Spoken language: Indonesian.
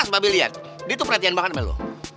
papi mau bicara sama kamu